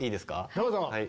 どうぞ。